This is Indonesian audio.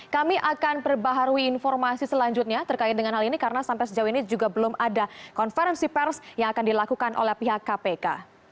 kami akan perbaharui informasi selanjutnya terkait dengan hal ini karena sampai sejauh ini juga belum ada konferensi pers yang akan dilakukan oleh pihak kpk